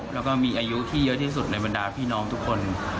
แล้วก็มีอายุที่เยอะที่สุดในบรรดาพี่น้องทุกคน